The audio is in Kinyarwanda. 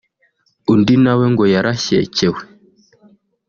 Undi nawe ngo yarashyekewe